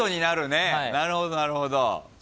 なるほどなるほど。